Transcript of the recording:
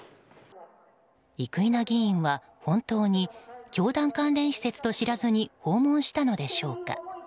生稲議員は本当に教団関連施設と知らずに訪問したのでしょうか。